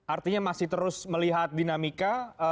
artinya masih terus melihat dinamika